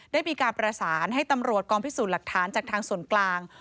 ได้มีการประสานให้ตำรวจกองพิสูจน์หลักฐานจากทางส่วนกลาง